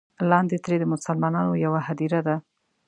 لاندې ترې د مسلمانانو یوه هدیره ده.